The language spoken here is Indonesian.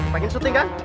pengen syuting kan